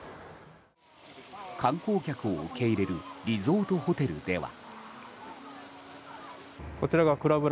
観光客を受け入れるリゾートホテルでは。